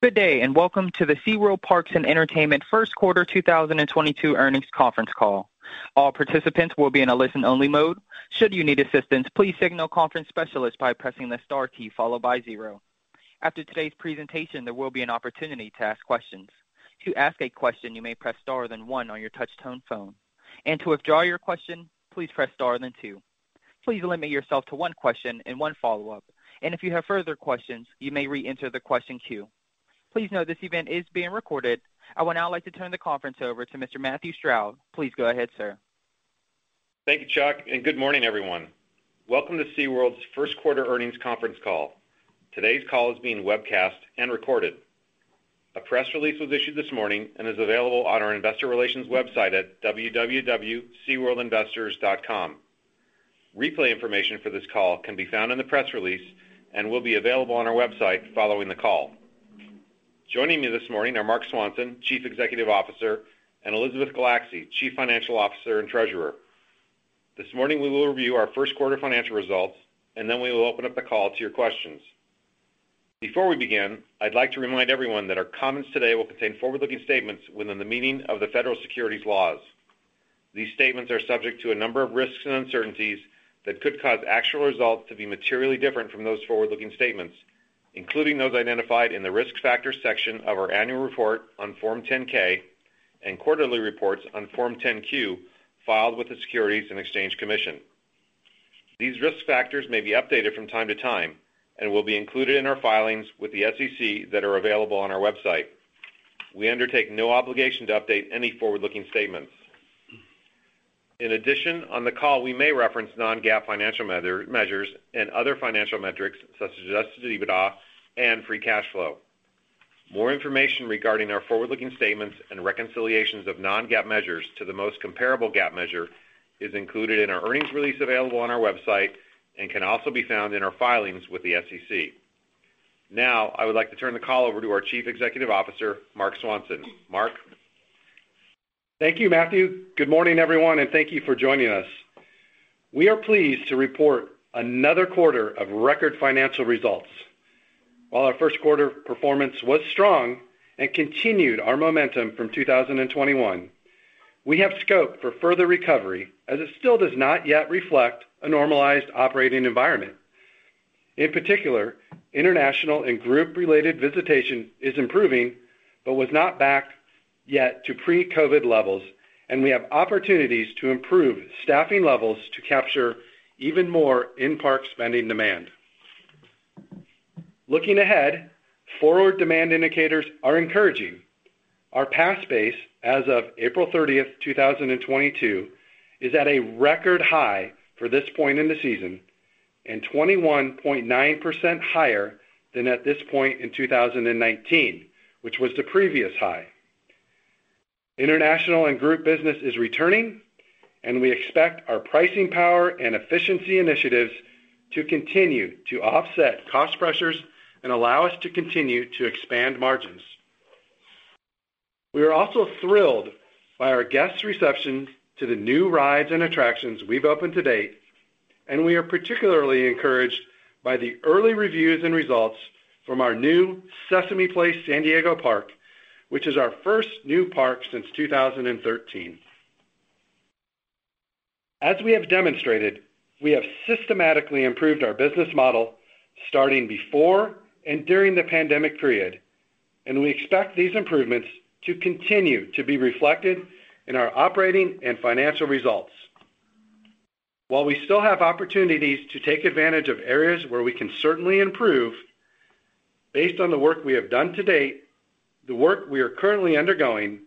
Good day, and welcome to the SeaWorld Parks & Entertainment first quarter 2022 earnings conference call. All participants will be in a listen-only mode. Should you need assistance, please signal conference specialist by pressing the star key followed by zero. After today's presentation, there will be an opportunity to ask questions. To ask a question, you may press star then one on your touch-tone phone. To withdraw your question, please press star then two. Please limit yourself to one question and one follow-up. If you have further questions, you may re-enter the question queue. Please note this event is being recorded. I would now like to turn the conference over to Mr. Matthew Stroud. Please go ahead, sir. Thank you, Chuck, and good morning, everyone. Welcome to SeaWorld's first quarter earnings conference call. Today's call is being webcast and recorded. A press release was issued this morning and is available on our investor relations website at www.seaworldinvestors.com. Replay information for this call can be found in the press release and will be available on our website following the call. Joining me this morning are Marc Swanson, Chief Executive Officer, and Elizabeth Gulacsy, Chief Financial Officer and Treasurer. This morning, we will review our first quarter financial results, and then we will open up the call to your questions. Before we begin, I'd like to remind everyone that our comments today will contain forward-looking statements within the meaning of the federal securities laws. These statements are subject to a number of risks and uncertainties that could cause actual results to be materially different from those forward-looking statements, including those identified in the Risk Factors section of our annual report on Form 10-K and quarterly reports on Form 10-Q filed with the Securities and Exchange Commission. These risk factors may be updated from time to time and will be included in our filings with the SEC that are available on our website. We undertake no obligation to update any forward-looking statements. In addition, on the call, we may reference non-GAAP financial measure, measures and other financial metrics such as adjusted EBITDA and free cash flow. More information regarding our forward-looking statements and reconciliations of non-GAAP measures to the most comparable GAAP measure is included in our earnings release available on our website and can also be found in our filings with the SEC. Now, I would like to turn the call over to our Chief Executive Officer, Marc Swanson. Marc? Thank you, Matthew. Good morning, everyone, and thank you for joining us. We are pleased to report another quarter of record financial results. While our first quarter performance was strong and continued our momentum from 2021, we have scope for further recovery as it still does not yet reflect a normalized operating environment. In particular, international and group-related visitation is improving but was not back yet to pre-COVID levels, and we have opportunities to improve staffing levels to capture even more in-park spending demand. Looking ahead, forward demand indicators are encouraging. Our pass base as of April 30th, 2022, is at a record high for this point in the season and 21.9% higher than at this point in 2019, which was the previous high. International and group business is returning, and we expect our pricing power and efficiency initiatives to continue to offset cost pressures and allow us to continue to expand margins. We are also thrilled by our guests' reception to the new rides and attractions we've opened to date, and we are particularly encouraged by the early reviews and results from our new Sesame Place San Diego park, which is our first new park since 2013. As we have demonstrated, we have systematically improved our business model starting before and during the pandemic period, and we expect these improvements to continue to be reflected in our operating and financial results. While we still have opportunities to take advantage of areas where we can certainly improve, based on the work we have done to date, the work we are currently undergoing,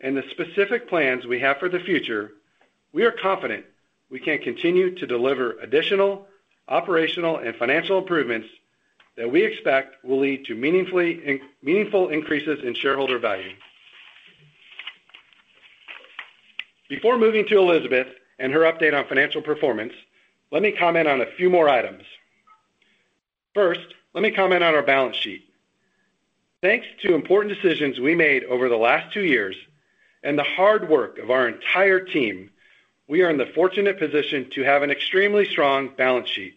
and the specific plans we have for the future, we are confident we can continue to deliver additional operational and financial improvements that we expect will lead to meaningful increases in shareholder value. Before moving to Elizabeth and her update on financial performance, let me comment on a few more items. First, let me comment on our balance sheet. Thanks to important decisions we made over the last two years and the hard work of our entire team, we are in the fortunate position to have an extremely strong balance sheet.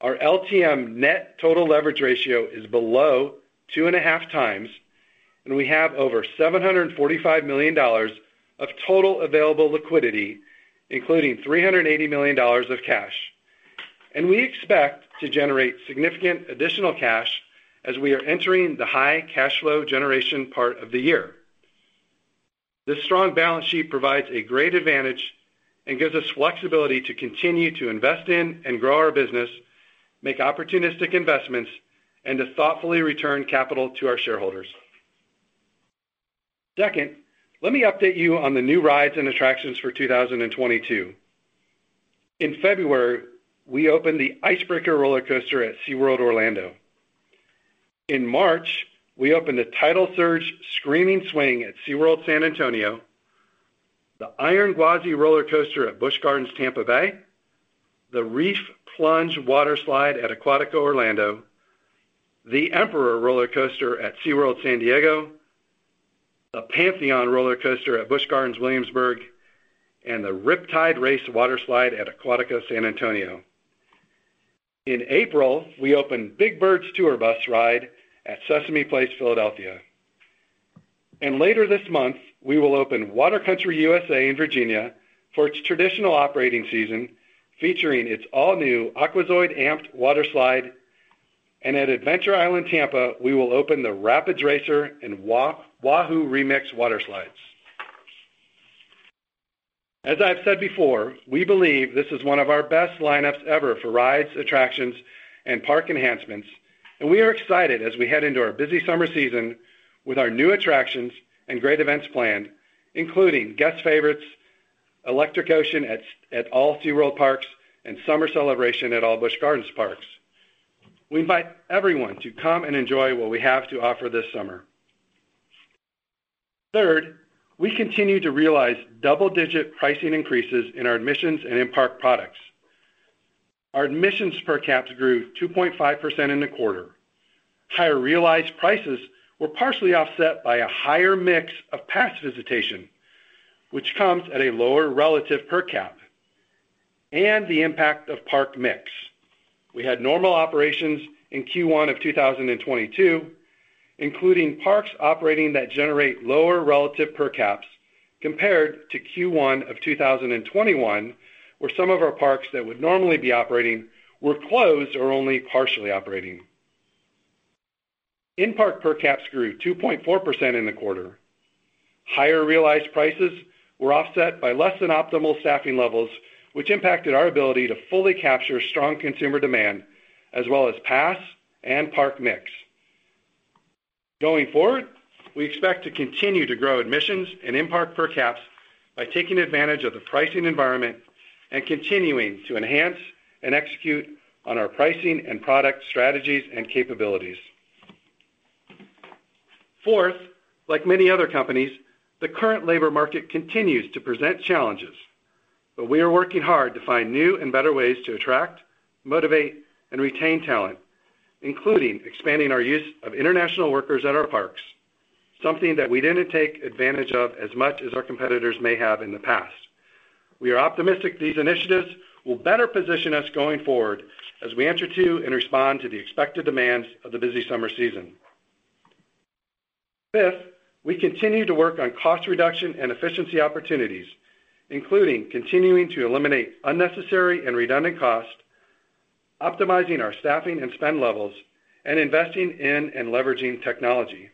Our LTM net total leverage ratio is below 2.5x, and we have over $745 million of total available liquidity, including $380 million of cash. We expect to generate significant additional cash as we are entering the high cash flow generation part of the year. This strong balance sheet provides a great advantage and gives us flexibility to continue to invest in and grow our business, make opportunistic investments, and to thoughtfully return capital to our shareholders. Second, let me update you on the new rides and attractions for 2022. In February, we opened the Ice Breaker roller coaster at SeaWorld Orlando. In March, we opened the Tidal Surge Screaming Swing at SeaWorld San Antonio, the Iron Gwazi roller coaster at Busch Gardens Tampa Bay, the Reef Plunge water slide at Aquatica Orlando, the Emperor roller coaster at SeaWorld San Diego, the Pantheon roller coaster at Busch Gardens Williamsburg, and the Riptide Race water slide at Aquatica San Antonio. In April, we opened Big Bird's Tour Bus Ride at Sesame Place Philadelphia. Later this month, we will open Water Country USA in Virginia for its traditional operating season, featuring its all-new Aquazoid Amped water slide. At Adventure Island Tampa, we will open the Rapids Racer and Wahoo Remix water slides. As I've said before, we believe this is one of our best lineups ever for rides, attractions, and park enhancements, and we are excited as we head into our busy summer season with our new attractions and great events planned, including guest favorites, Electric Ocean at all SeaWorld parks and Summer Nights at all Busch Gardens parks. We invite everyone to come and enjoy what we have to offer this summer. Third, we continue to realize double-digit pricing increases in our admissions and in-park products. Our admissions per caps grew 2.5% in the quarter. Higher realized prices were partially offset by a higher mix of pass visitation, which comes at a lower relative per cap, and the impact of park mix. We had normal operations in Q1 of 2022, including parks operating that generate lower relative per caps compared to Q1 of 2021, where some of our parks that would normally be operating were closed or only partially operating. In-park per caps grew 2.4% in the quarter. Higher realized prices were offset by less than optimal staffing levels, which impacted our ability to fully capture strong consumer demand as well as pass and park mix. Going forward, we expect to continue to grow admissions and in-park per caps by taking advantage of the pricing environment and continuing to enhance and execute on our pricing and product strategies and capabilities. Fourth, like many other companies, the current labor market continues to present challenges, but we are working hard to find new and better ways to attract, motivate, and retain talent, including expanding our use of international workers at our parks, something that we didn't take advantage of as much as our competitors may have in the past. We are optimistic these initiatives will better position us going forward as we enter into and respond to the expected demands of the busy summer season. Fifth, we continue to work on cost reduction and efficiency opportunities, including continuing to eliminate unnecessary and redundant costs, optimizing our staffing and spend levels, and investing in and leveraging technology.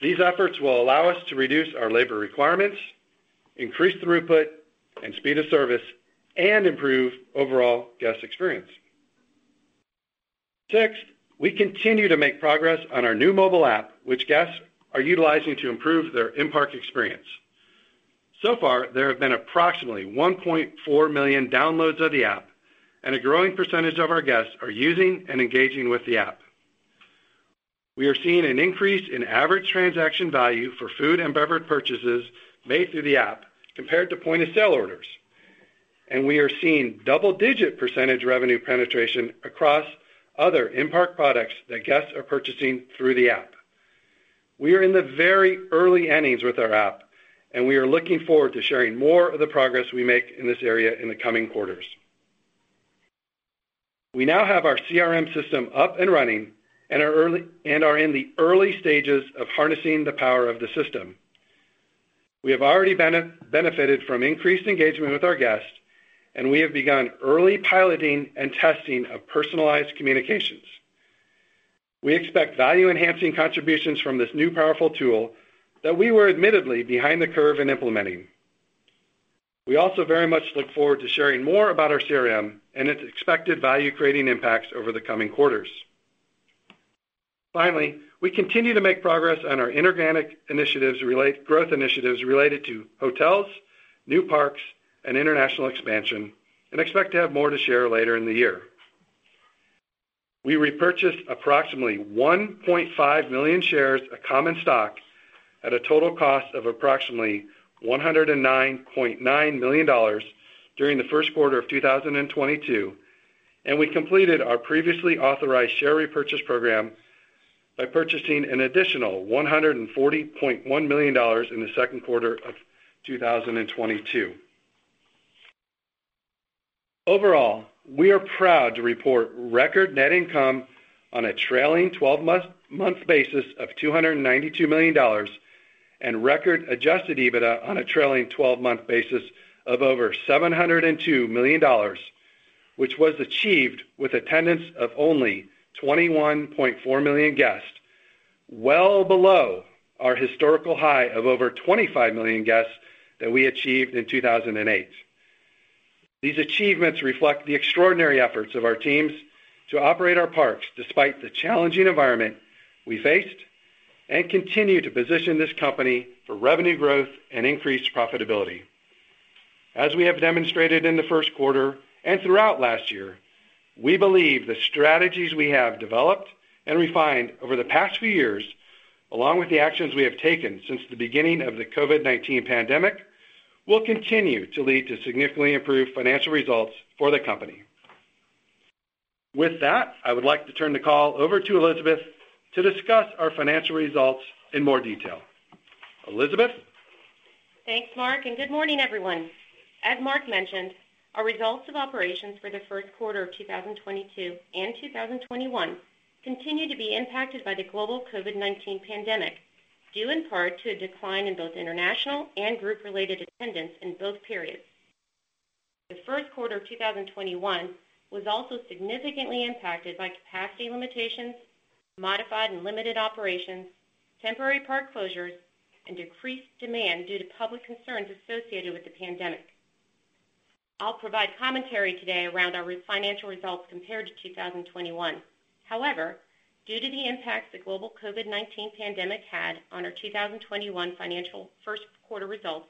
These efforts will allow us to reduce our labor requirements, increase throughput and speed of service, and improve overall guest experience. Sixth, we continue to make progress on our new mobile app, which guests are utilizing to improve their in-park experience. So far, there have been approximately 1.4 million downloads of the app, and a growing percentage of our guests are using and engaging with the app. We are seeing an increase in average transaction value for food and beverage purchases made through the app compared to point-of-sale orders, and we are seeing double-digit percentage revenue penetration across other in-park products that guests are purchasing through the app. We are in the very early innings with our app, and we are looking forward to sharing more of the progress we make in this area in the coming quarters. We now have our CRM system up and running and are in the early stages of harnessing the power of the system. We have already benefited from increased engagement with our guests, and we have begun early piloting and testing of personalized communications. We expect value-enhancing contributions from this new powerful tool that we were admittedly behind the curve in implementing. We also very much look forward to sharing more about our CRM and its expected value-creating impacts over the coming quarters. Finally, we continue to make progress on our inorganic growth initiatives related to hotels, new parks, and international expansion and expect to have more to share later in the year. We repurchased approximately 1.5 million shares of common stock at a total cost of approximately $109.9 million during the first quarter of 2022, and we completed our previously authorized share repurchase program by purchasing an additional $140.1 million in the second quarter of 2022. Overall, we are proud to report record net income on a trailing 12-month basis of $292 million and record adjusted EBITDA on a trailing 12-month basis of over $702 million, which was achieved with attendance of only 21.4 million guests, well below our historical high of over 25 million guests that we achieved in 2008. These achievements reflect the extraordinary efforts of our teams to operate our parks despite the challenging environment we faced and continue to position this company for revenue growth and increased profitability. As we have demonstrated in the first quarter and throughout last year, we believe the strategies we have developed and refined over the past few years, along with the actions we have taken since the beginning of the COVID-19 pandemic, will continue to lead to significantly improved financial results for the company. With that, I would like to turn the call over to Elizabeth to discuss our financial results in more detail. Elizabeth? Thanks, Marc, and good morning, everyone. As Marc mentioned, our results of operations for the first quarter of 2022 and 2021 continue to be impacted by the global COVID-19 pandemic, due in part to a decline in both international and group-related attendance in both periods. The first quarter of 2021 was also significantly impacted by capacity limitations, modified and limited operations, temporary park closures, and decreased demand due to public concerns associated with the pandemic. I'll provide commentary today around our financial results compared to 2021. However, due to the impacts the global COVID-19 pandemic had on our 2021 financial first quarter results,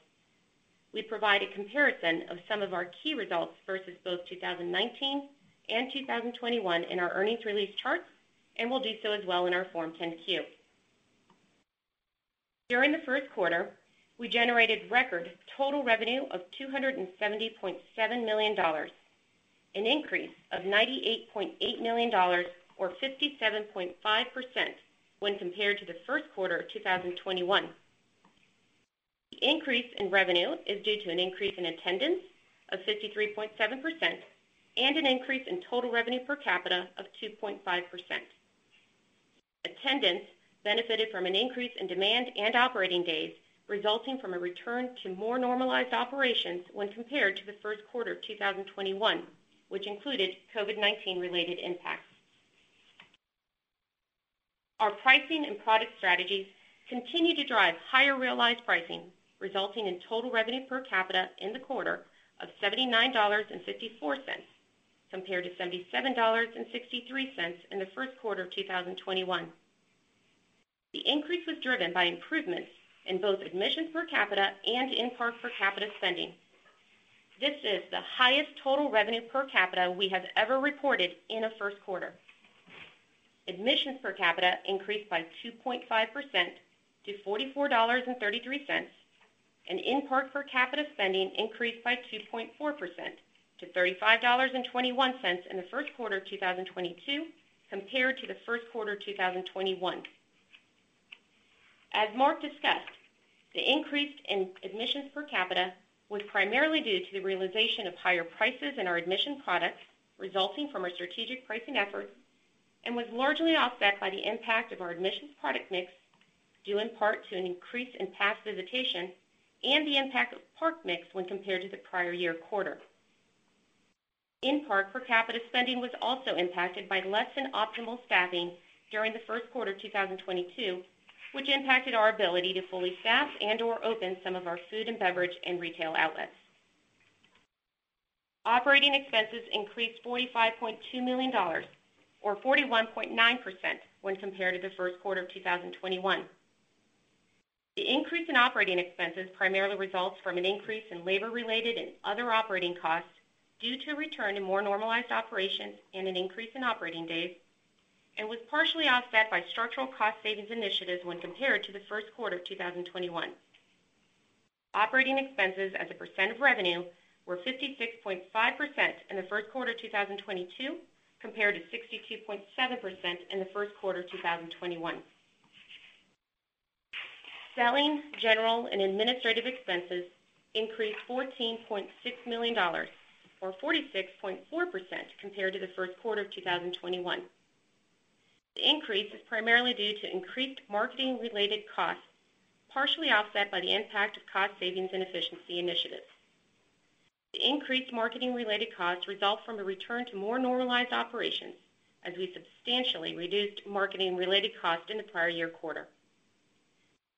we provide a comparison of some of our key results versus both 2019 and 2021 in our earnings release charts, and we'll do so as well in our Form 10-Q. During the first quarter, we generated record total revenue of $267.7 million, an increase of $98.8 million or 57.5% when compared to the first quarter of 2021. The increase in revenue is due to an increase in attendance of 53.7% and an increase in total revenue per capita of 2.5%. Attendance benefited from an increase in demand and operating days, resulting from a return to more normalized operations when compared to the first quarter of 2021, which included COVID-19 related impacts. Our pricing and product strategies continue to drive higher realized pricing, resulting in total revenue per capita in the quarter of $79.54 compared to $77.63 in the first quarter of 2021. The increase was driven by improvements in both admissions per capita and in-park per capita spending. This is the highest total revenue per capita we have ever reported in a first quarter. Admissions per capita increased by 2.5% to $44.33, and in-park per capita spending increased by 2.4% to $35.21 in the first quarter of 2022 compared to the first quarter of 2021. As Marc discussed, the increase in admissions per capita was primarily due to the realization of higher prices in our admission products resulting from our strategic pricing efforts and was largely offset by the impact of our admissions product mix, due in part to an increase in pass visitation and the impact of park mix when compared to the prior year quarter. In-park per capita spending was also impacted by less than optimal staffing during the first quarter of 2022, which impacted our ability to fully staff and/or open some of our food and beverage and retail outlets. Operating expenses increased $45.2 million or 41.9% when compared to the first quarter of 2021. The increase in operating expenses primarily results from an increase in labor related and other operating costs due to a return to more normalized operations and an increase in operating days, and was partially offset by structural cost savings initiatives when compared to the first quarter of 2021. Operating expenses as a percent of revenue were 56.5% in the first quarter of 2022 compared to 62.7% in the first quarter of 2021. Selling, general, and administrative expenses increased $14.6 million or 46.4% compared to the first quarter of 2021. The increase is primarily due to increased marketing related costs, partially offset by the impact of cost savings and efficiency initiatives. The increased marketing related costs result from a return to more normalized operations as we substantially reduced marketing related costs in the prior year quarter.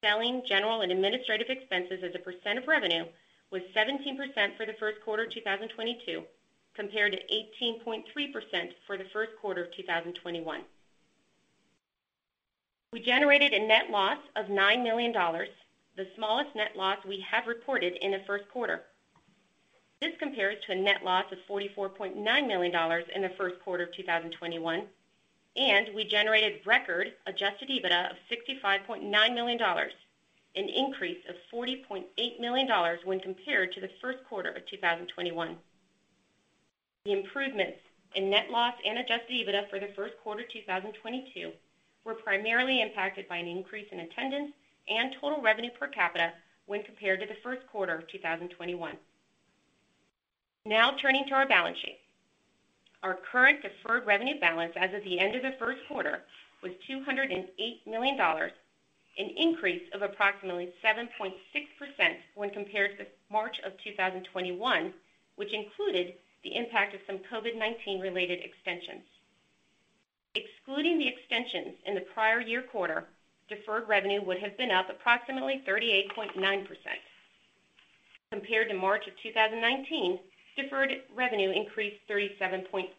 Selling, general, and administrative expenses as a percent of revenue was 17% for the first quarter of 2022 compared to 18.3% for the first quarter of 2021. We generated a net loss of $9 million, the smallest net loss we have reported in a first quarter. This compares to a net loss of $44.9 million in the first quarter of 2021, and we generated record adjusted EBITDA of $65.9 million, an increase of $40.8 million when compared to the first quarter of 2021. The improvements in net loss and adjusted EBITDA for the first quarter of 2022 were primarily impacted by an increase in attendance and total revenue per capita when compared to the first quarter of 2021. Now turning to our balance sheet. Our current deferred revenue balance as of the end of the first quarter was $208 million, an increase of approximately 7.6% when compared to March of 2021, which included the impact of some COVID-19 related extensions. Excluding the extensions in the prior year quarter, deferred revenue would have been up approximately 38.9%. Compared to March 2019, deferred revenue increased 37.5%.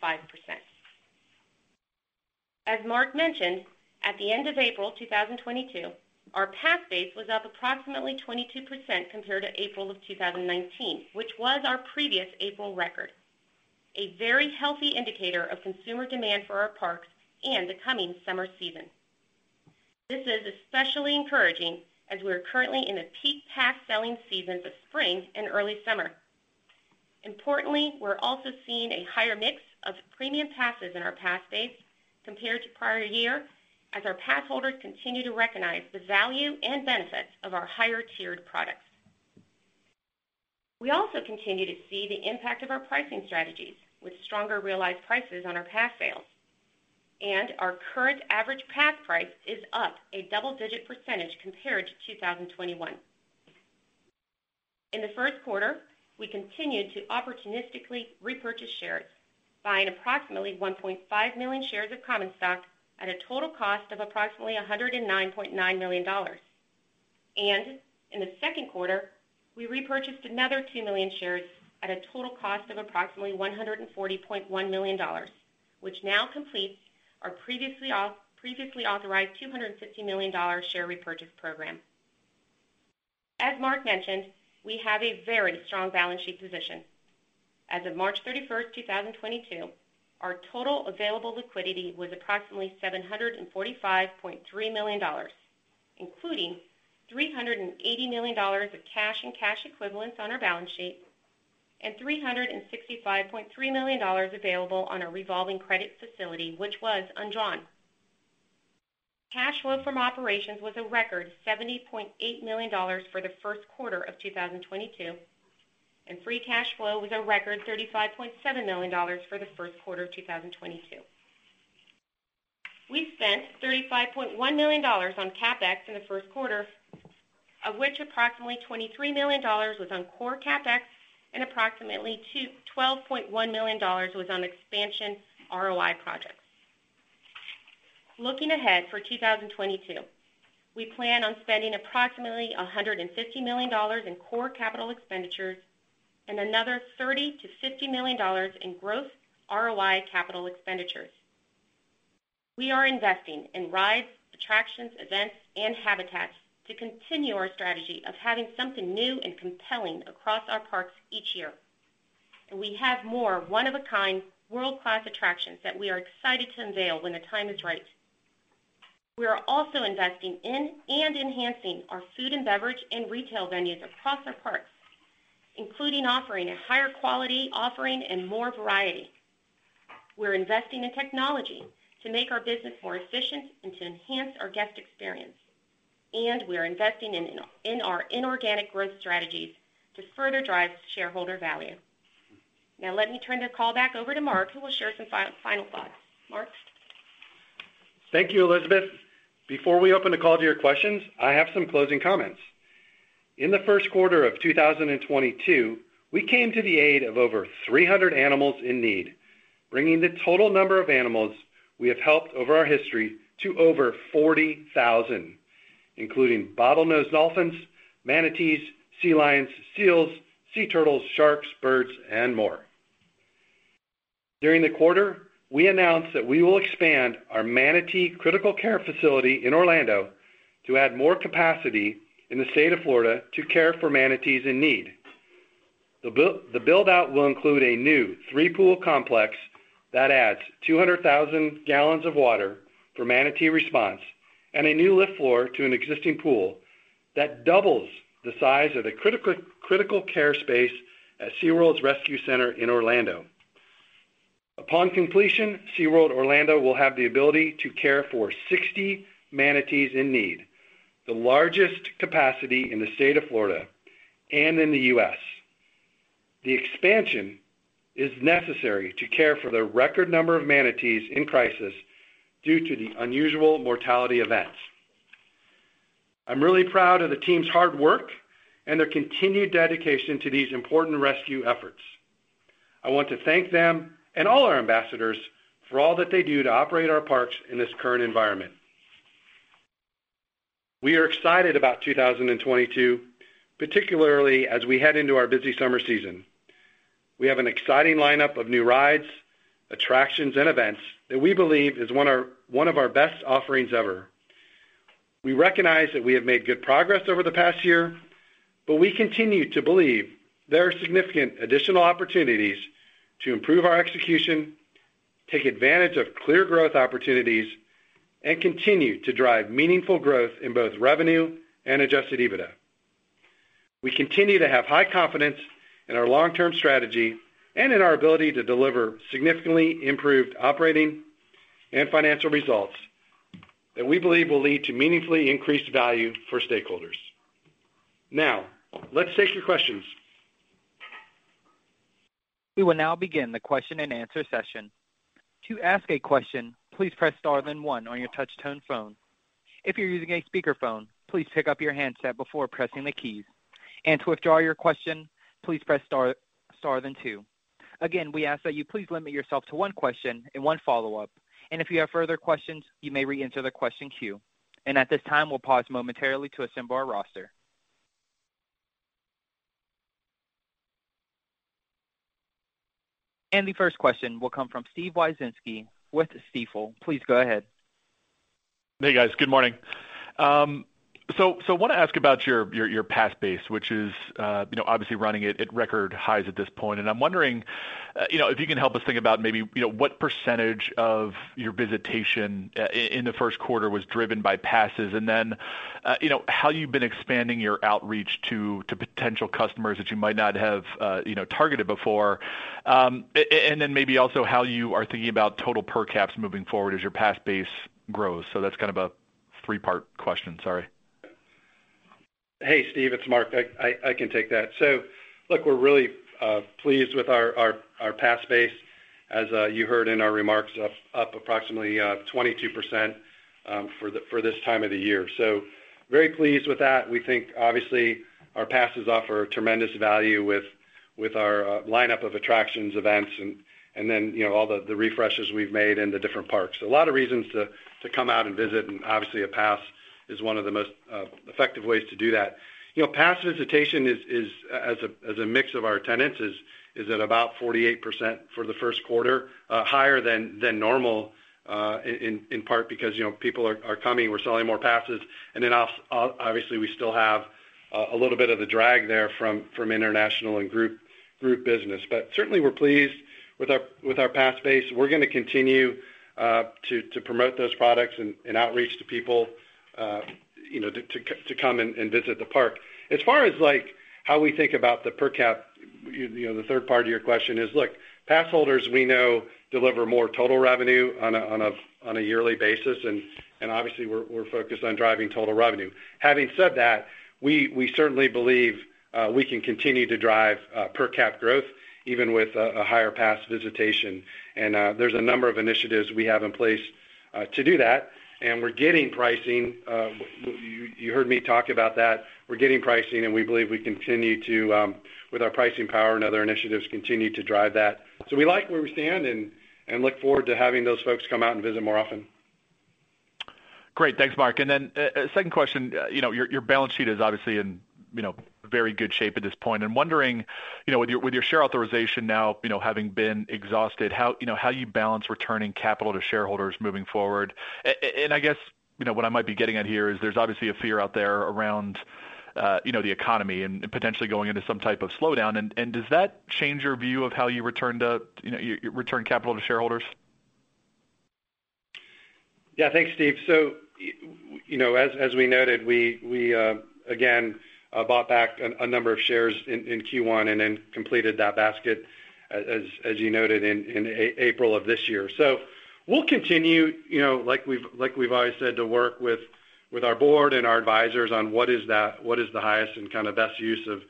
As Marc mentioned, at the end of April 2022, our pass base was up approximately 22% compared to April 2019, which was our previous April record, a very healthy indicator of consumer demand for our parks and the coming summer season. This is especially encouraging as we are currently in the peak pass selling season of spring and early summer. Importantly, we're also seeing a higher mix of premium passes in our pass base compared to prior year as our pass holders continue to recognize the value and benefits of our higher-tiered products. We also continue to see the impact of our pricing strategies with stronger realized prices on our pass sales, and our current average pass price is up a double-digit percentage compared to 2021. In the first quarter, we continued to opportunistically repurchase shares, buying approximately 1.5 million shares of common stock at a total cost of approximately $109.9 million. In the second quarter, we repurchased another 2 million shares at a total cost of approximately $140.1 million, which now completes our previously authorized $250 million share repurchase program. As Marc mentioned, we have a very strong balance sheet position. As of March 31st, 2022, our total available liquidity was approximately $745.3 million, including $380 million of cash and cash equivalents on our balance sheet and $365.3 million available on our revolving credit facility, which was undrawn. Cash flow from operations was a record $70.8 million for the first quarter of 2022, and free cash flow was a record $35.7 million for the first quarter of 2022. We spent $35.1 million on CapEx in the first quarter, of which approximately $23 million was on core CapEx and approximately $12.1 Million dollars was on expansion ROI projects. Looking ahead for 2022, we plan on spending approximately $150 million in core capital expenditures and another $30 million-$50 million in growth ROI capital expenditures. We are investing in rides, attractions, events, and habitats to continue our strategy of having something new and compelling across our parks each year. We have more one-of-a-kind world-class attractions that we are excited to unveil when the time is right. We are also investing in and enhancing our food and beverage and retail venues across our parks, including offering a higher quality offering and more variety. We're investing in technology to make our business more efficient and to enhance our guest experience. We are investing in our inorganic growth strategies to further drive shareholder value. Now let me turn the call back over to Marc, who will share some final thoughts. Marc? Thank you, Elizabeth. Before we open the call to your questions, I have some closing comments. In the first quarter of 2022, we came to the aid of over 300 animals in need, bringing the total number of animals we have helped over our history to over 40,000, including bottlenose dolphins, manatees, sea lions, seals, sea turtles, sharks, birds, and more. During the quarter, we announced that we will expand our Manatee Critical Care Facility in Orlando to add more capacity in the state of Florida to care for manatees in need. The build-out will include a new three-pool complex that adds 200,000 gallons of water for manatee response and a new lift floor to an existing pool that doubles the size of the critical care space at SeaWorld's Rescue Center in Orlando. Upon completion, SeaWorld Orlando will have the ability to care for 60 manatees in need, the largest capacity in the state of Florida and in the U.S. The expansion is necessary to care for the record number of manatees in crisis due to the unusual mortality events. I'm really proud of the team's hard work and their continued dedication to these important rescue efforts. I want to thank them and all our ambassadors for all that they do to operate our parks in this current environment. We are excited about 2022, particularly as we head into our busy summer season. We have an exciting lineup of new rides, attractions, and events that we believe is one of our best offerings ever. We recognize that we have made good progress over the past year, but we continue to believe there are significant additional opportunities to improve our execution, take advantage of clear growth opportunities, and continue to drive meaningful growth in both revenue and adjusted EBITDA. We continue to have high confidence in our long-term strategy and in our ability to deliver significantly improved operating and financial results that we believe will lead to meaningfully increased value for stakeholders. Now, let's take your questions. We will now begin the question-and-answer session. To ask a question, please press star then one on your touch-tone phone. If you're using a speakerphone, please pick up your handset before pressing the keys. To withdraw your question, please press star then two. Again, we ask that you please limit yourself to one question and one follow-up. If you have further questions, you may reenter the question queue. At this time, we'll pause momentarily to assemble our roster. The first question will come from Steven Wieczynski with Stifel. Please go ahead. Hey, guys. Good morning. Want to ask about your pass base, which is, you know, obviously running at record highs at this point. I'm wondering, you know, if you can help us think about maybe, you know, what percentage of your visitation in the first quarter was driven by passes. Then, you know, how you've been expanding your outreach to potential customers that you might not have, you know, targeted before. And then maybe also how you are thinking about total per caps moving forward as your pass base grows. That's kind of a three-part question. Sorry. Hey, Steve, it's Marc. I can take that. Look, we're really pleased with our pass base as you heard in our remarks up approximately 22% for this time of the year. Very pleased with that. We think obviously our passes offer tremendous value with our lineup of attractions, events and then, you know, all the refreshes we've made in the different parks. A lot of reasons to come out and visit, and obviously a pass is one of the most effective ways to do that. You know, pass visitation as a mix of our attendance is at about 48% for the first quarter, higher than normal, in part because, you know, people are coming, we're selling more passes. Obviously, we still have a little bit of the drag there from international and group business. But certainly, we're pleased with our pass base. We're gonna continue to promote those products and outreach to people, you know, to come and visit the park. As far as like how we think about the per cap, you know, the third part of your question is, look, pass holders we know deliver more total revenue on a yearly basis and obviously we're focused on driving total revenue. Having said that, we certainly believe we can continue to drive per cap growth even with a higher pass visitation. There's a number of initiatives we have in place to do that. You heard me talk about that. We're getting pricing, and we believe we continue to, with our pricing power and other initiatives, continue to drive that. We like where we stand and look forward to having those folks come out and visit more often. Great. Thanks, Marc. Second question. You know, your balance sheet is obviously in very good shape at this point. I'm wondering, you know, with your share authorization now having been exhausted, how you balance returning capital to shareholders moving forward. And I guess, you know, what I might be getting at here is there's obviously a fear out there around you know, the economy and potentially going into some type of slowdown. And does that change your view of how you return capital to shareholders? Yeah. Thanks, Steve. You know, as we noted, we again bought back a number of shares in Q1 and then completed that basket as you noted in April of this year. We'll continue, you know, like we've always said, to work with our board and our advisors on what is the highest and kind of best use of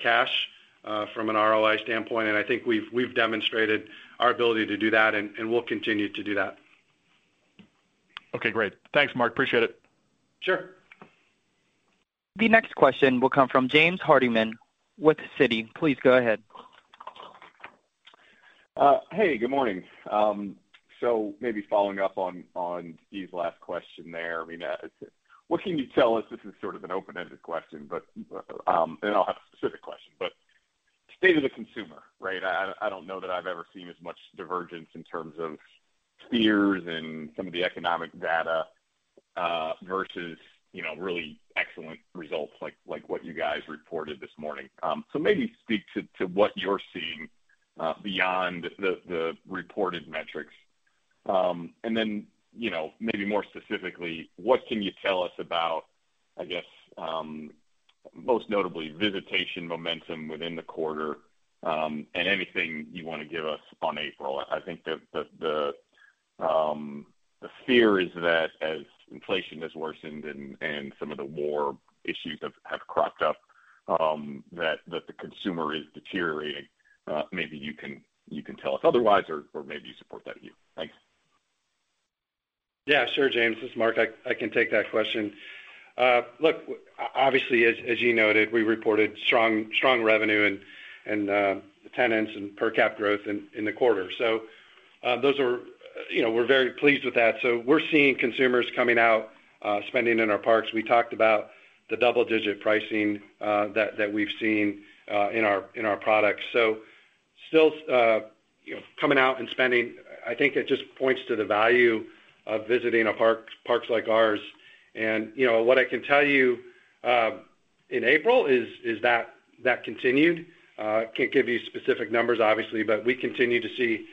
cash from an ROI standpoint. I think we've demonstrated our ability to do that, and we'll continue to do that. Okay, great. Thanks, Marc. Appreciate it. Sure. The next question will come from James Hardiman with Citi. Please go ahead. Hey, good morning. Maybe following up on Steve's last question there. I mean, what can you tell us, this is sort of an open-ended question, but then I'll have a specific question, but state of the consumer, right? I don't know that I've ever seen as much divergence in terms of fears and some of the economic data versus, you know, really excellent results like what you guys reported this morning. Maybe speak to what you're seeing beyond the reported metrics. You know, maybe more specifically, what can you tell us about, I guess, most notably visitation momentum within the quarter, and anything you want to give us on April? I think the fear is that as inflation has worsened and some of the war issues have cropped up, that the consumer is deteriorating. Maybe you can tell us otherwise or maybe you support that view. Thanks. Yeah, sure, James. This is Marc. I can take that question. Look, obviously, as you noted, we reported strong revenue and attendance and per cap growth in the quarter. Those are, you know, we're very pleased with that. We're seeing consumers coming out, spending in our parks. We talked about the double-digit pricing that we've seen in our products. Still, you know, coming out and spending, I think it just points to the value of visiting a park, parks like ours. What I can tell you in April is that continued. Can't give you specific numbers obviously, but we continue to see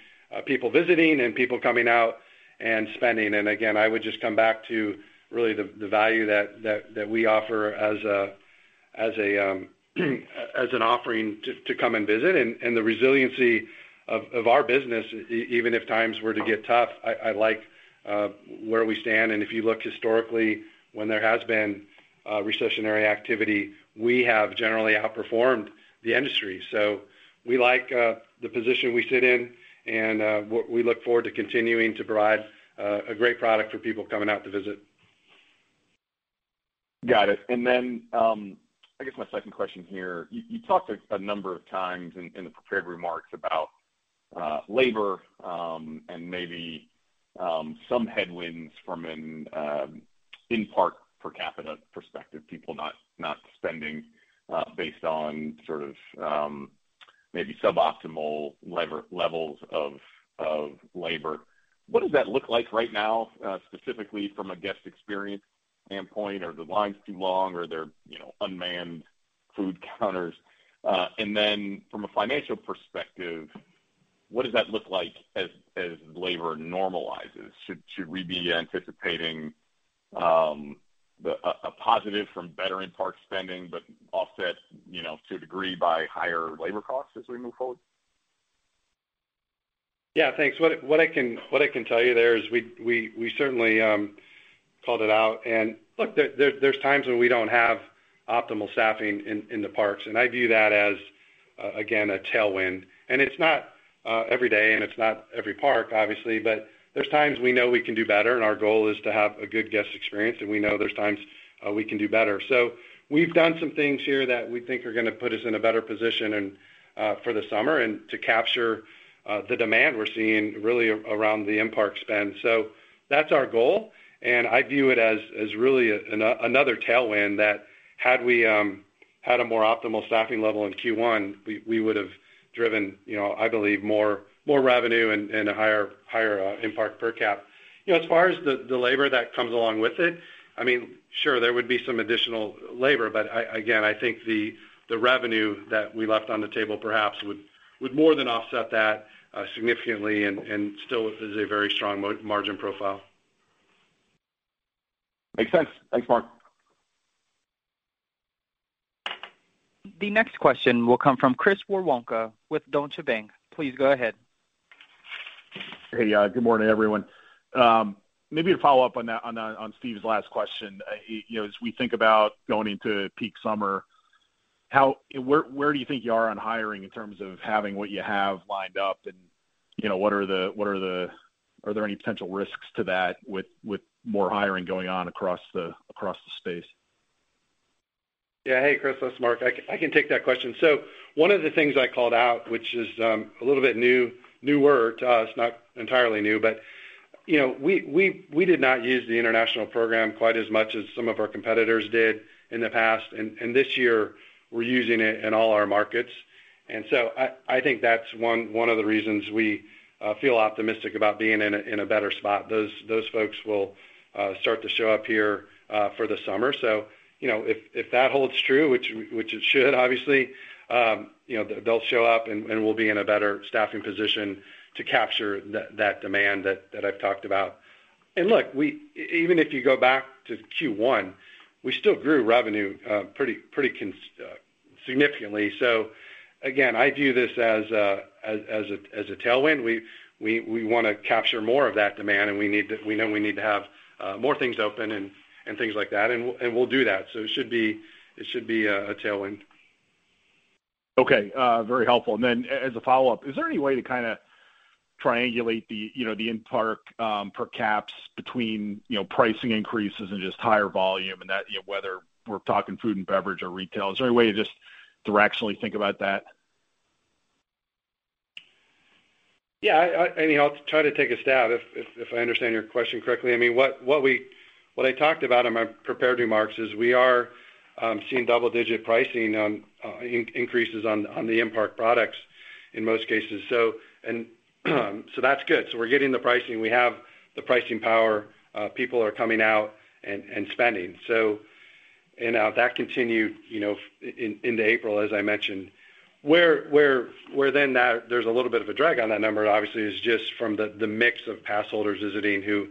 people visiting and people coming out and spending. I would just come back to really the value that we offer as an offering to come and visit and the resiliency of our business even if times were to get tough. I like where we stand. If you look historically when there has been recessionary activity, we have generally outperformed the industry. We like the position we sit in and we look forward to continuing to provide a great product for people coming out to visit. Got it. I guess my second question here. You talked a number of times in the prepared remarks about labor and maybe some headwinds from an in-park per capita perspective, people not spending based on sort of maybe suboptimal levels of labor. What does that look like right now, specifically from a guest experience standpoint? Are the lines too long or they're, you know, unmanned food counters? From a financial perspective, what does that look like as labor normalizes? Should we be anticipating a positive from better-in-park spending, but offset, you know, to a degree by higher labor costs as we move forward? Yeah, thanks. What I can tell you there is we certainly called it out. Look, there's times when we don't have optimal staffing in the parks, and I view that as again, a tailwind. It's not every day, and it's not every park, obviously, but there's times we know we can do better, and our goal is to have a good guest experience, and we know there's times we can do better. We've done some things here that we think are gonna put us in a better position and for the summer and to capture the demand we're seeing really around the in-park spend. That's our goal, and I view it as really another tailwind that had we had a more optimal staffing level in Q1, we would have driven, you know, I believe more revenue and a higher in-park per cap. You know, as far as the labor that comes along with it, I mean, sure, there would be some additional labor. Again, I think the revenue that we left on the table perhaps would more than offset that significantly and still is a very strong margin profile. Makes sense. Thanks, Marc. The next question will come from Chris Woronka with Deutsche Bank. Please go ahead. Hey, good morning, everyone. Maybe to follow up on that on Steve's last question. You know, as we think about going into peak summer, how, where do you think you are on hiring in terms of having what you have lined up? Are there any potential risks to that with more hiring going on across the space? Yeah. Hey, Chris, it's Marc. I can take that question. One of the things I called out, which is a little bit new, newer to us, not entirely new. You know, we did not use the international program quite as much as some of our competitors did in the past. This year we're using it in all our markets. I think that's one of the reasons we feel optimistic about being in a better spot. Those folks will start to show up here for the summer. You know, if that holds true, which it should, obviously, you know, they'll show up and we'll be in a better staffing position to capture that demand that I've talked about. Even if you go back to Q1, we still grew revenue pretty significantly. Again, I view this as a tailwind. We want to capture more of that demand, and we need to, we know we need to have more things open and things like that, and we'll do that. It should be a tailwind. Okay, very helpful. As a follow-up, is there any way to kind of triangulate the, you know, the in-park, per caps between, you know, pricing increases and just higher volume and that, you know, whether we're talking food and beverage or retail? Is there any way to just directionally think about that? Yeah. I mean, I'll try to take a stab if I understand your question correctly. What I talked about in my prepared remarks is we are seeing double-digit pricing increases on the in-park products in most cases. That's good. We're getting the pricing. We have the pricing power. People are coming out and spending. That continued, you know, into April, as I mentioned. Well, then, now there's a little bit of a drag on that number obviously is just from the mix of pass holders visiting who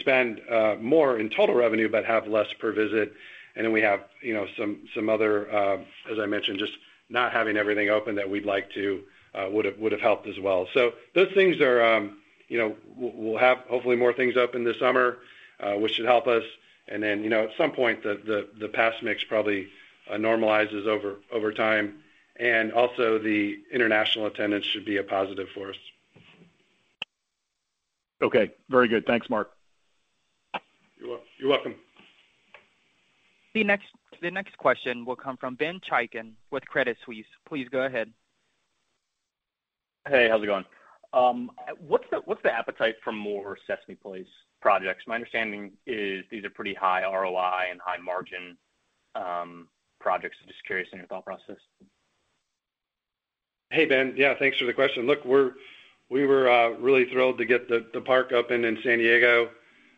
spend more in total revenue but have less per visit. Then we have, you know, some other, as I mentioned, just not having everything open that we'd like to would've helped as well. Those things are, you know, we'll have hopefully more things open this summer, which should help us. Then, you know, at some point the pass mix probably normalizes over time. Also the international attendance should be a positive for us. Okay, very good. Thanks, Marc. You're welcome. The next question will come from Ben Chaiken with Credit Suisse. Please go ahead. Hey, how's it going? What's the appetite for more Sesame Place projects? My understanding is these are pretty high ROI and high-margin projects. Just curious on your thought process. Hey, Ben. Yeah, thanks for the question. Look, we were really thrilled to get the park open in San Diego.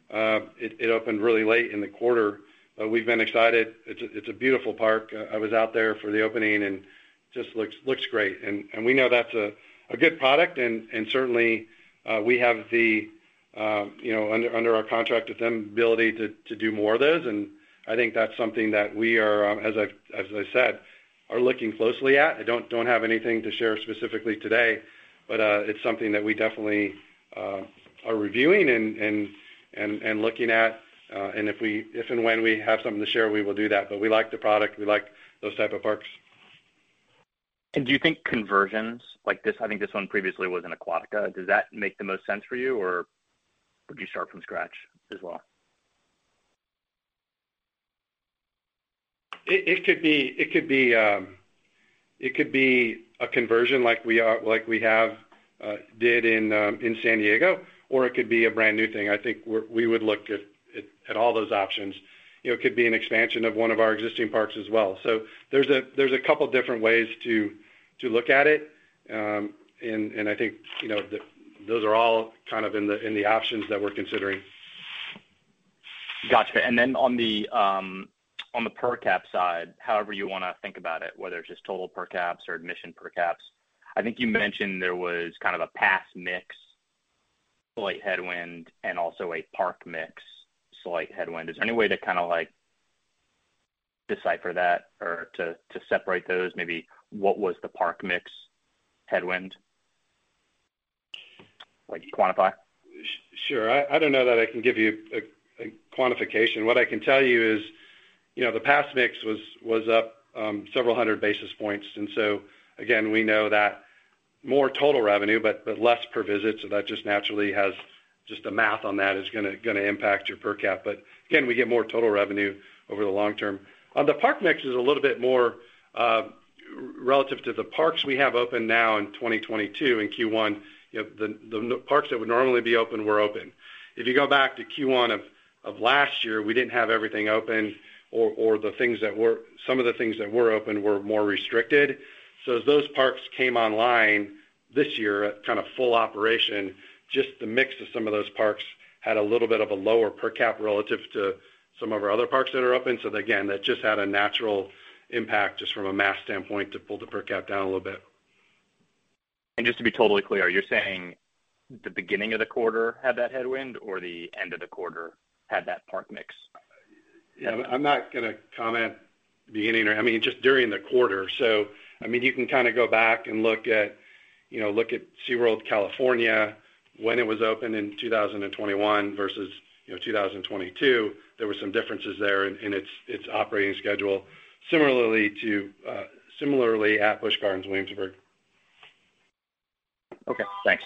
It opened really late in the quarter. We've been excited. It's a beautiful park. I was out there for the opening and just looks great. We know that's a good product and certainly we have the, you know, under our contract with them, ability to do more of those. I think that's something that we are, as I've said, looking closely at. I don't have anything to share specifically today, but it's something that we definitely are reviewing and looking at. If and when we have something to share, we will do that. We like the product. We like those type of parks. Do you think conversions like this, I think this one previously was an Aquatica, does that make the most sense for you, or would you start from scratch as well? It could be a conversion like we have done in San Diego, or it could be a brand new thing. I think we would look at all those options. You know, it could be an expansion of one of our existing parks as well. There's a couple different ways to look at it. I think, you know, those are all kind of in the options that we're considering. Got you. Then on the per cap side, however you wanna think about it, whether it's just total per caps or admission per caps, I think you mentioned there was kind of a pass mix slight headwind and also a park mix slight headwind. Is there any way to kinda like decipher that or to separate those? Maybe what was the park mix headwind? Like you quantify. Sure. I don't know that I can give you a quantification. What I can tell you is, you know, the pass mix was up several hundred basis points. Again, we know that more total revenue, but less per visit, so that just naturally has just the math on that is going to impact your per cap. Again, we get more total revenue over the long-term. The park mix is a little bit more relative to the parks we have open now in 2022 in Q1, the parks that would normally be open were open. If you go back to Q1 of last year, we didn't have everything open or the things that were open were more restricted. As those parks came online this year at kind of full operation, just the mix of some of those parks had a little bit of a lower per cap relative to some of our other parks that are open. Again, that just had a natural impact just from a math standpoint to pull the per cap down a little bit. Just to be totally clear, you're saying the beginning of the quarter had that headwind or the end of the quarter had that park mix? Yeah. I'm not going to comment. I mean, just during the quarter. I mean, you can kind of go back and look at, you know, look at SeaWorld California when it was open in 2021 versus, you know, 2022. There were some differences there in its operating schedule, similarly at Busch Gardens Williamsburg. Okay, thanks.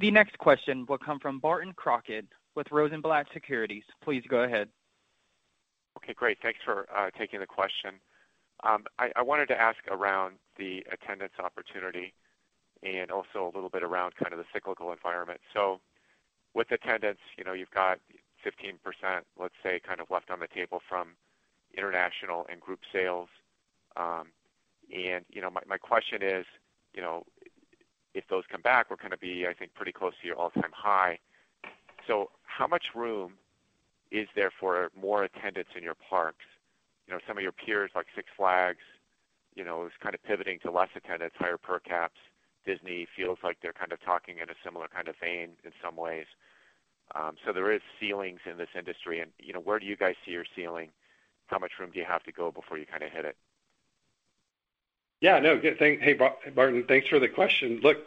The next question will come from Barton Crockett with Rosenblatt Securities. Please go ahead. Okay, great. Thanks for taking the question. I wanted to ask around the attendance opportunity and also a little bit around kind of the cyclical environment. With attendance, you know, you've got 15%, let's say, kind of left on the table from international and group sales. And, you know, my question is, you know, if those come back, we're going to be, I think, pretty close to your all-time high. How much room is there for more attendance in your parks? You know, some of your peers, like Six Flags, you know, is kind of pivoting to less attendance, higher per cap. Disney feels like they're kind of talking in a similar kind of vein in some ways. There is ceilings in this industry and, you know, where do you guys see your ceiling? How much room do you have to go before you kind of hit it? Yeah, no. Good. Hey, Barton, thanks for the question. Look,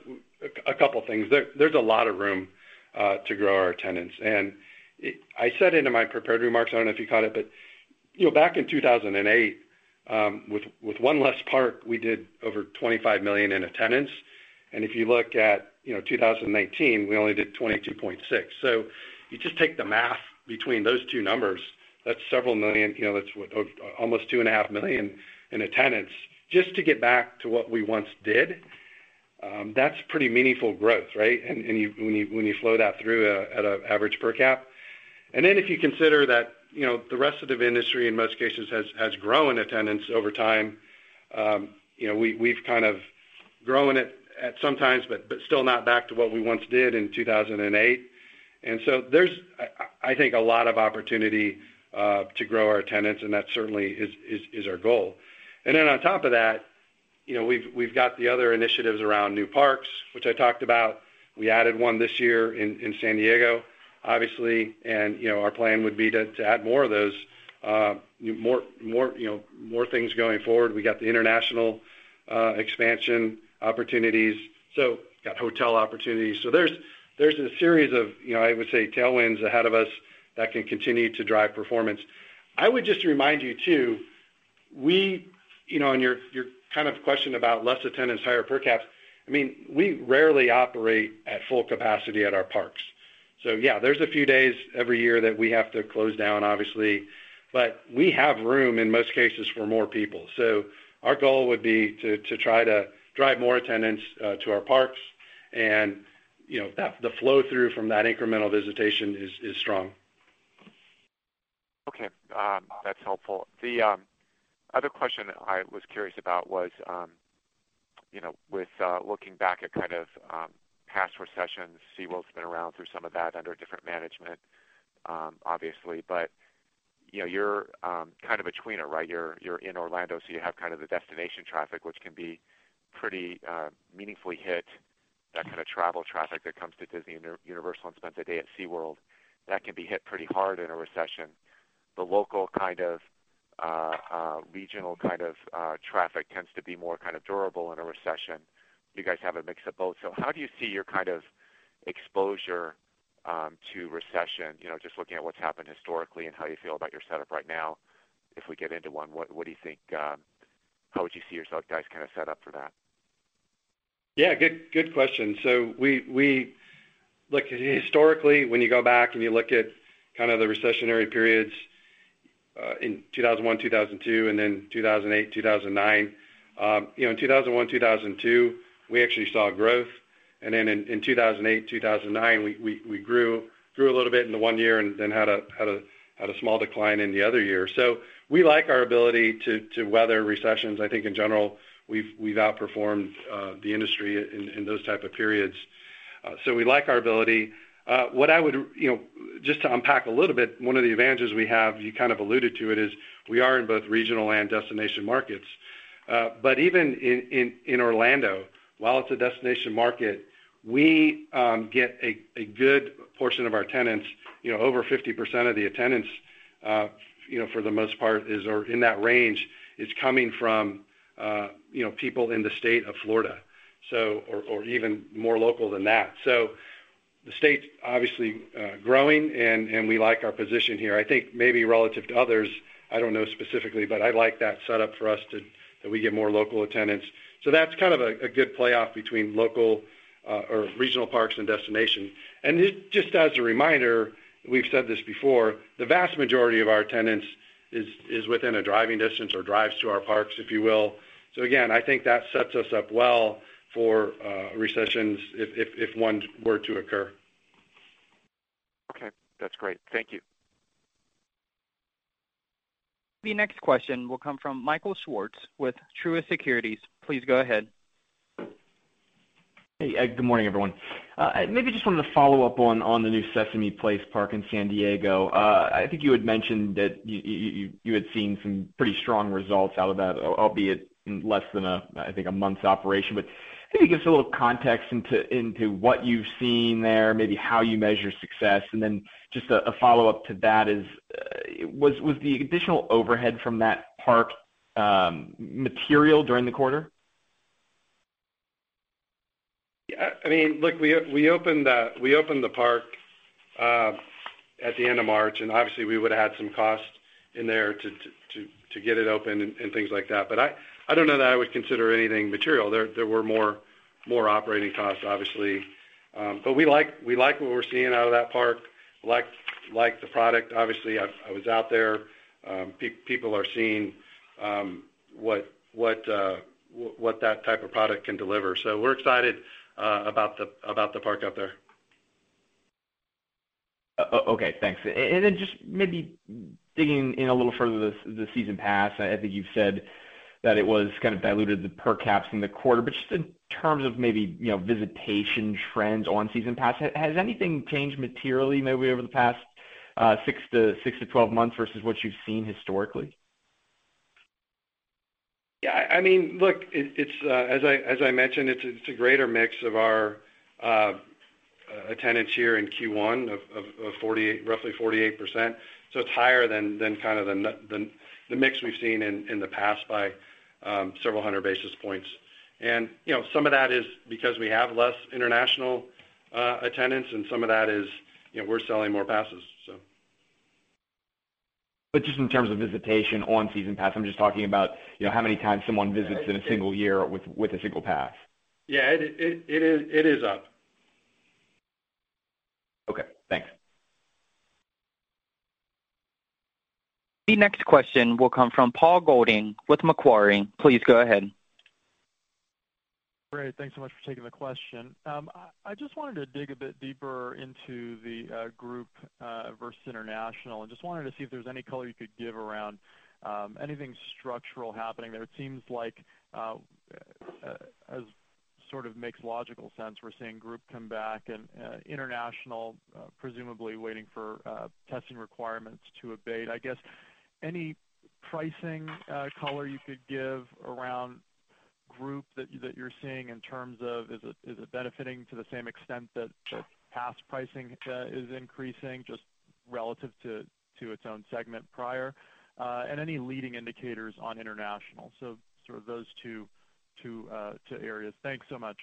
a couple things. There's a lot of room to grow our attendance. I said in my prepared remarks, I don't know if you caught it, but you know, back in 2008, with one less park, we did over 25 million in attendance. If you look at you know, 2019, we only did 22.6 million. You just take the math between those two numbers, that's several million. You know, that's what? Almost 2.5 million in attendance. Just to get back to what we once did, that's pretty meaningful growth, right? When you flow that through at an average per cap. If you consider that, you know, the rest of the industry in most cases has grown attendance over time, you know, we've kind of grown it at some times, but still not back to what we once did in 2008. There's, I think, a lot of opportunity to grow our attendance, and that certainly is our goal. On top of that, you know, we've got the other initiatives around new parks, which I talked about. We added one this year in San Diego, obviously, and, you know, our plan would be to add more of those, more things going forward. We got the international expansion opportunities, so got hotel opportunities. There's a series of, you know, I would say tailwinds ahead of us that can continue to drive performance. I would just remind you too. You know, in your kind of question about less attendance, higher per caps, I mean, we rarely operate at full capacity at our parks. Yeah, there's a few days every year that we have to close down, obviously, but we have room in most cases for more people. Our goal would be to try to drive more attendance to our parks and, you know, that the flow through from that incremental visitation is strong. Okay. That's helpful. The other question I was curious about was, you know, with looking back at kind of past recessions, SeaWorld's been around through some of that under different management, obviously. You know, you're kind of between it, right? You're in Orlando, so you have kind of the destination traffic, which can be pretty meaningfully hit, that kind of travel traffic that comes to Disney and Universal and spends a day at SeaWorld. That can be hit pretty hard in a recession. The local, kind of regional, kind of traffic tends to be more kind of durable in a recession. You guys have a mix of both. How do you see your kind of exposure to recession? You know, just looking at what's happened historically and how you feel about your setup right now. If we get into one, what do you think, how would you see yourself guys kinda set up for that? Yeah, good question. Look, historically, when you go back and you look at kind of the recessionary periods in 2001, 2002, and then 2008, 2009. You know, in 2001, 2002, we actually saw growth. Then in 2008, 2009, we grew a little bit in the one year and then had a small decline in the other year. So we like our ability to weather recessions. I think in general, we've outperformed the industry in those type of periods. So we like our ability. What I would, you know, just to unpack a little bit, one of the advantages we have, you kind of alluded to it, is we are in both regional and destination markets. But even in Orlando, while it's a destination market, we get a good portion of our attendance, you know, over 50% of the attendance, for the most part, or in that range, is coming from, you know, people in the state of Florida, or even more local than that. The state's obviously growing and we like our position here. I think maybe relative to others, I don't know specifically, but I like that setup for us that we get more local attendance. That's kind of a good payoff between local or regional parks and destination. Just as a reminder, we've said this before, the vast majority of our attendance is within a driving distance or drives to our parks, if you will. Again, I think that sets us up well for recessions if one were to occur. Okay. That's great. Thank you. The next question will come from Michael Swartz with Truist Securities. Please go ahead. Hey, Ed, good morning, everyone. Maybe just wanted to follow up on the new Sesame Place park in San Diego. I think you had mentioned that you had seen some pretty strong results out of that, albeit in less than a month's operation. Maybe give us a little context into what you've seen there, maybe how you measure success. Just a follow-up to that was the additional overhead from that park material during the quarter? Yeah. I mean, look, we opened the park at the end of March, and obviously we would've had some costs in there to get it open and things like that. I don't know that I would consider anything material. There were more operating costs, obviously. We like what we're seeing out of that park, like the product. Obviously, I was out there. People are seeing what that type of product can deliver. We're excited about the park out there. Okay, thanks. Then just maybe digging in a little further the season pass. I think you've said that it was kind of diluted the per caps in the quarter. Just in terms of maybe, you know, visitation trends on season pass, has anything changed materially maybe over the past six to 12 months versus what you've seen historically? Yeah, I mean, look, it's as I mentioned, it's a greater mix of our attendance here in Q1 of roughly 48%. So it's higher than kind of the mix we've seen in the past by several hundred basis points. You know, some of that is because we have less international attendance, and some of that is, you know, we're selling more passes. Just in terms of visitation on season pass, I'm just talking about, you know, how many times someone visits in a single year with a single pass. Yeah, it is up. Okay, thanks. The next question will come from Paul Golding with Macquarie. Please go ahead. Great. Thanks so much for taking the question. I just wanted to dig a bit deeper into the group versus international. I just wanted to see if there's any color you could give around anything structural happening there. It seems like it sort of makes logical sense, we're seeing group come back and international presumably waiting for testing requirements to abate. I guess any pricing color you could give around group that you're seeing in terms of, is it benefiting to the same extent that past pricing is increasing just relative to its own segment prior? Any leading indicators on international. Sort of those two areas. Thanks so much.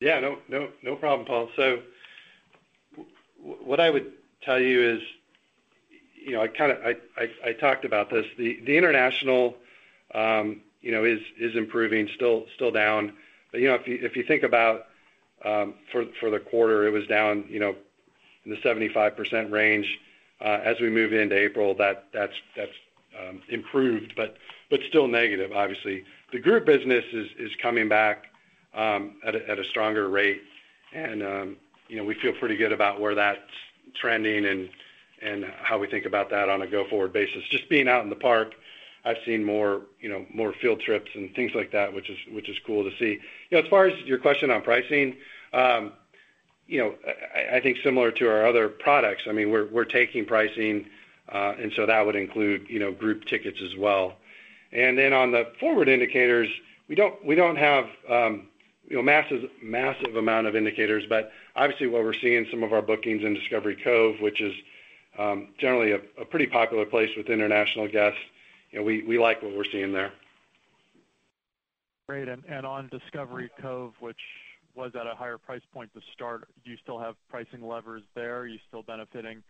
Yeah, no problem, Paul. What I would tell you is, you know, I kind of talked about this. The international, you know, is improving, still down. But you know, if you think about, for the quarter, it was down, you know, in the 75% range. As we move into April, that's improved, but still negative, obviously. The group business is coming back at a stronger rate. You know, we feel pretty good about where that's trending and how we think about that on a go-forward basis. Just being out in the park, I've seen more, you know, more field trips and things like that, which is cool to see. You know, as far as your question on pricing, you know, I think similar to our other products, I mean, we're taking pricing, and so that would include, you know, group tickets as well. Then on the forward indicators, we don't have, you know, massive amount of indicators, but obviously what we're seeing some of our bookings in Discovery Cove, which is generally a pretty popular place with international guests, you know, we like what we're seeing there. Great. On Discovery Cove, which was at a higher price point to start, do you still have pricing levers there? Are you still benefiting,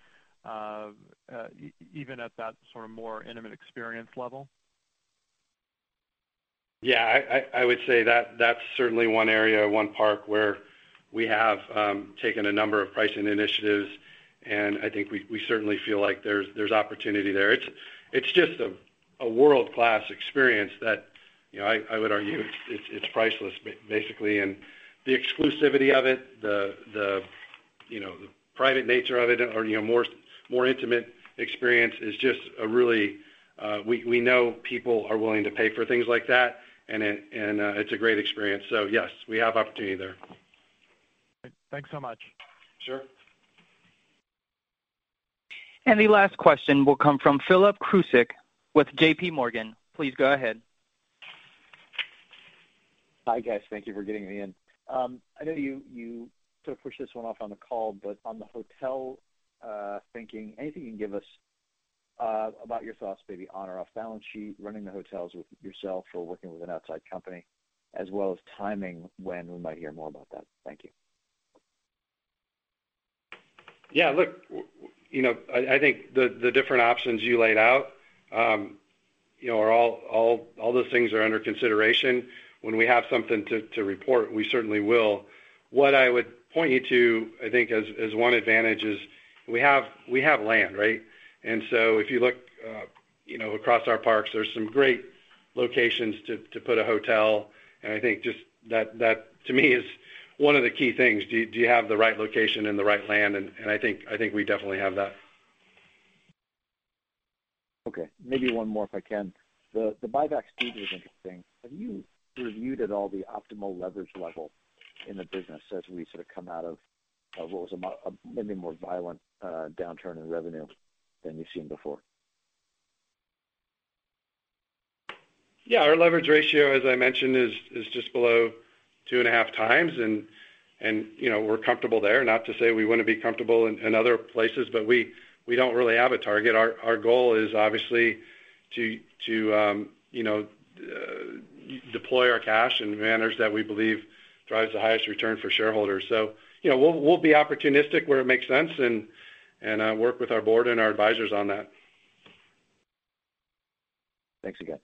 even at that sort of more intimate experience level? Yeah, I would say that that's certainly one area, one park where we have taken a number of pricing initiatives, and I think we certainly feel like there's opportunity there. It's just a world-class experience that you know I would argue it's priceless basically. The exclusivity of it, the you know the private nature of it or you know more intimate experience is just a really we know people are willing to pay for things like that, and it's a great experience. Yes, we have opportunity there. Thanks so much. Sure. The last question will come from Philip Cusick with JPMorgan. Please go ahead. Hi, guys. Thank you for getting me in. I know you sort of pushed this one off on the call, but on the hotel thinking, anything you can give us about your thoughts, maybe on or off balance sheet, running the hotels with yourself or working with an outside company, as well as timing when we might hear more about that? Thank you. Yeah. Look, you know, I think the different options you laid out, you know, are all those things under consideration. When we have something to report, we certainly will. What I would point you to, I think as one advantage is we have land, right? If you look, you know, across our parks, there's some great locations to put a hotel. I think just that to me is one of the key things. Do you have the right location and the right land? I think we definitely have that. Okay, maybe one more, if I can. The buyback speed was interesting. Have you reviewed at all the optimal leverage level in the business as we sort of come out of what was a maybe more violent downturn in revenue than we've seen before? Yeah. Our leverage ratio, as I mentioned, is just below 2.5x and, you know, we're comfortable there. Not to say we wouldn't be comfortable in other places, but we don't really have a target. Our goal is obviously to, you know, deploy our cash in manners that we believe drives the highest return for shareholders. You know, we'll be opportunistic where it makes sense and, work with our board and our advisors on that. Thanks again.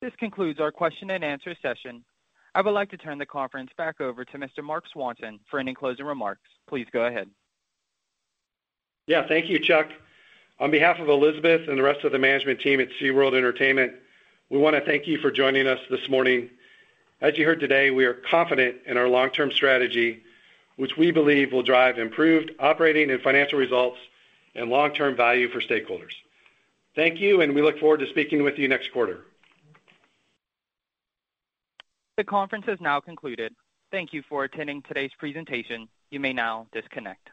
This concludes our question-and-answer session. I would like to turn the conference back over to Mr. Marc Swanson for any closing remarks. Please go ahead. Yeah. Thank you, Chuck. On behalf of Elizabeth and the rest of the management team at SeaWorld Entertainment, we wanna thank you for joining us this morning. As you heard today, we are confident in our long-term strategy, which we believe will drive improved operating and financial results and long-term value for stakeholders. Thank you, and we look forward to speaking with you next quarter. The conference has now concluded. Thank you for attending today's presentation. You may now disconnect.